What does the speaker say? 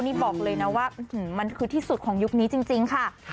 นี่บอกเลยนะว่ามันคือที่สุดของยุคนี้จริงค่ะ